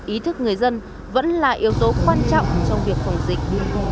ý thức người dân vẫn là yếu tố quan trọng trong việc phòng dịch